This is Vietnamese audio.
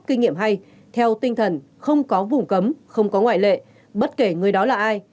kinh nghiệm hay theo tinh thần không có vùng cấm không có ngoại lệ bất kể người đó là ai